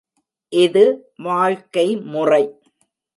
இது வாழ்க்கை முறை.